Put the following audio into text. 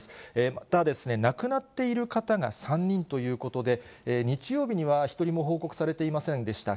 また亡くなっている方が３人ということで、日曜日には一人も報告されていませんでした。